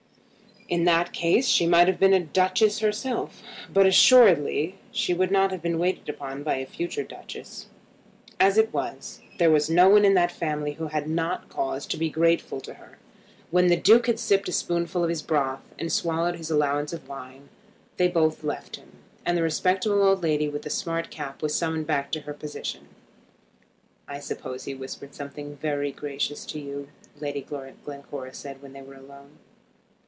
In that case she might have been a duchess herself, but assuredly she would not have been waited upon by a future duchess. As it was, there was no one in that family who had not cause to be grateful to her. When the Duke had sipped a spoonful of his broth, and swallowed his allowance of wine, they both left him, and the respectable old lady with the smart cap was summoned back to her position. "I suppose he whispered something very gracious to you," Lady Glencora said when they were alone.